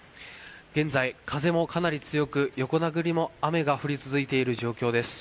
現在、風もかなり強く、横殴りの雨が降り続いている状況です。